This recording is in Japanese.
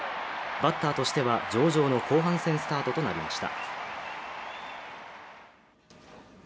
バッターとしては上々の後半戦スタートとなりました。